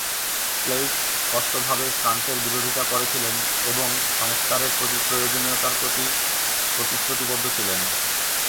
Kleist স্পষ্টভাবে ফ্রান্সের বিরোধিতা করেছিলেন এবং সংস্কারের প্রয়োজনীয়তার প্রতি প্রতিশ্রুতিবদ্ধ ছিলেন।